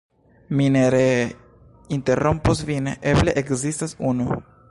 Mi ne ree interrompos vin; eble ekzistas unu.